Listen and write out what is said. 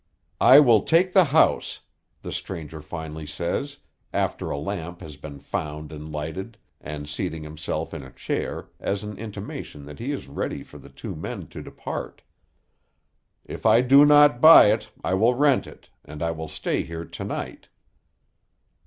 "I will take the house," the stranger finally says, after a lamp has been found and lighted, and seating himself in a chair as an intimation that he is ready for the two men to depart. "If I do not buy it I will rent it, and I will stay here to night."